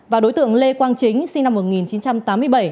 và đối tượng lê quang chính sinh năm một nghìn chín trăm tám mươi bảy